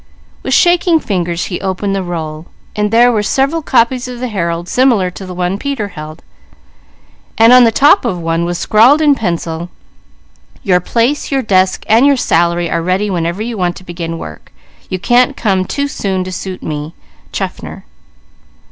With shaking fingers he opened the roll, and there were several copies of the Herald similar to the one Peter held, and on the top of one was scrawled in pencil: "Your place, your desk, and your salary are ready whenever you want to begin work. You can't come too soon to suit me. CHAFFNER."